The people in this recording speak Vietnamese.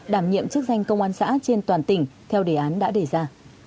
đảm nhiệm chức danh công an xã trên toàn tỉnh theo đề án đã đề ra